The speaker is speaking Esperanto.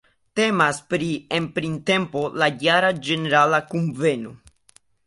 Temas pri en printempo la jara ĝenerala kunveno.